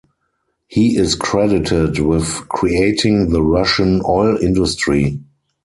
He is credited with creating the Russian oil industry.